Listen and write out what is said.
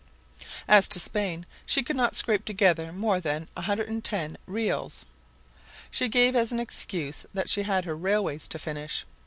As to Spain, she could not scrape together more than 110 reals. She gave as an excuse that she had her railways to finish.